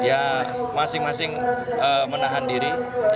ya masing masing menahan diri